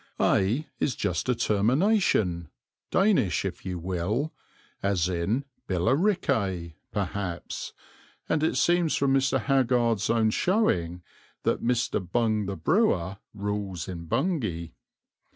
"Ay" is just a termination, Danish if you will, as in Billericay, perhaps, and it seems from Mr. Haggard's own showing that "Mr. Bung the Brewer" rules in Bungay.